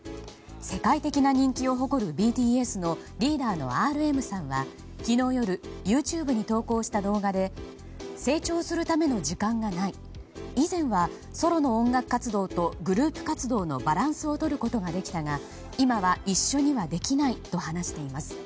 世界的な人気を誇るＢＴＳのリーダーのＲＭさんは昨日夜ＹｏｕＴｕｂｅに投稿した動画で成長するための時間がない以前はソロの音楽活動とグループ活動のバランスをとることができたが今は一緒にはできないと話しています。